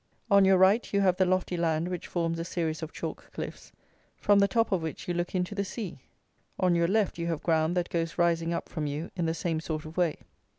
On your right, you have the lofty land which forms a series of chalk cliffs, from the top of which you look into the sea; on your left, you have ground that goes rising up from you in the same sort of way.